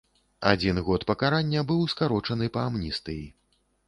Адзін год пакарання быў скарочаны па амністыі.